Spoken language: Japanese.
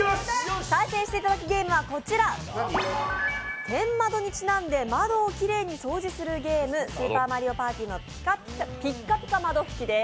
対戦していただくゲームはこちら、天窓にちなんで窓をきれいに掃除するゲーム、「スーパーマリオパーティ」の「ピッカピカ窓ふき」です。